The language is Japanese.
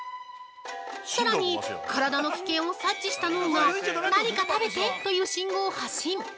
さらに、体の危険を察知した脳が「何か食べて！」という信号を発信！